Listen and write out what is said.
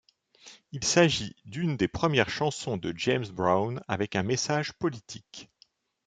Il s'agit d'une des premières chansons de James Brown avec un message politique.